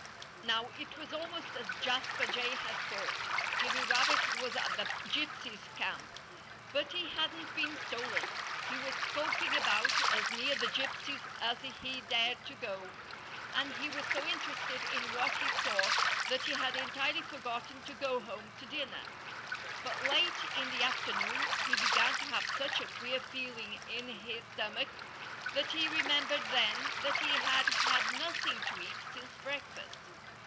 Now, it was almost as Jasper Jay had thought. Jimmy Rabbit was at the gypsies' camp. But he hadn't been stolen. He was skulking about, as near the gypsies as he dared to go. And he was so interested in what he saw that he had entirely forgotten to go home to dinner. But late in the afternoon he began to have such a queer feeling in his stomach that he remembered then that he had had nothing to eat since breakfast.